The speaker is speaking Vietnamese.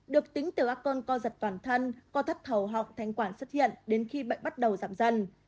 được tính từ các cơn co giật toàn thân co thắt thầu họng thanh quản xuất hiện đến khi bệnh bắt đầu giảm dần